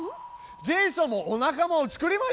ジェイソンもお仲間を作りましたよ。